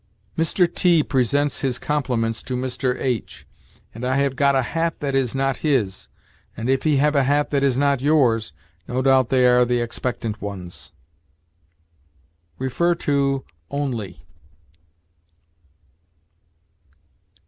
"Mr. T presents his compliments to Mr. H , and I have got a hat that is not his, and, if he have a hat that is not yours, no doubt they are the expectant ones." See ONLY.